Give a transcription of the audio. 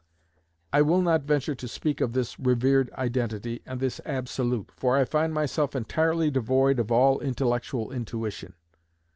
I will not venture to speak of this revered identity, and this absolute, for I find myself entirely devoid of all "intellectual intuition."